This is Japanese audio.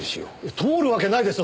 通るわけないですよ